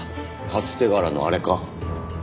初手柄のあれか？